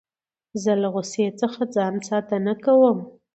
زه له غوسې څخه ځان ساتنه کوم.